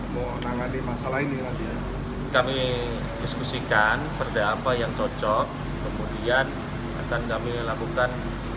menangani masalah ini nanti ya kami diskusikan berda'a apa yang cocok kemudian akan kami lakukan